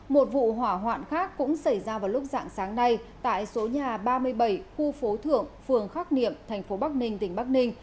một vụ hỏa hoạn khác cũng xảy ra vào lúc dạng sáng nay tại số nhà ba mươi bảy khu phố thượng phường khắc niệm tp bắc ninh tỉnh bắc ninh